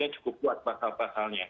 cukup kuat pasal pasalnya